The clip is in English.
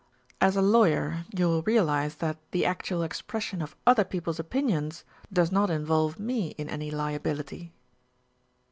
"As a lawyer you will realise that the actual expression of other people's opinions does not involve me in any liability."